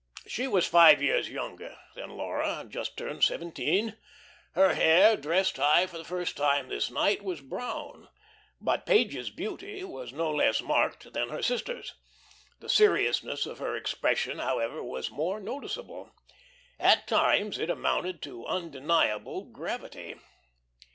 She was five years younger than Laura, just turned seventeen. Her hair, dressed high for the first time this night, was brown. But Page's beauty was no less marked than her sister's. The seriousness of her expression, however, was more noticeable. At times it amounted to undeniable gravity.